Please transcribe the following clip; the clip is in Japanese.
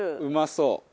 うまそう。